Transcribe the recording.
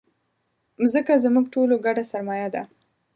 مځکه زموږ ټولو ګډه سرمایه ده.